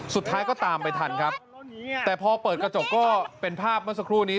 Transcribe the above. สุดท้ายก็ตามไปทันครับแต่พอเปิดกระจกก็เป็นภาพเมื่อสักครู่นี้